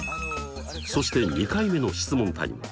そして２回目の質問タイム。